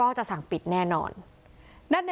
ก็จะสั่งปิดทันทีโดยไม่มีข้อแม้เหมือนกันค่ะ